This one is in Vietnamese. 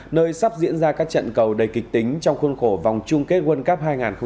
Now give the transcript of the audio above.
nơi sắp diễn ra các trận cầu đầy kịch tính trong khuôn khổ vòng chung kết world cup hai nghìn hai mươi